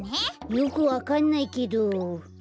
よくわかんないけどわかった。